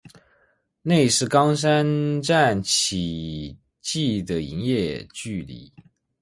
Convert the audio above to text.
内是冈山站起计的营业距离。